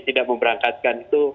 tidak memberangkatkan itu